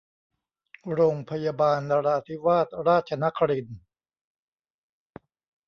โรงพยาบาลนราธิวาสราชนครินทร์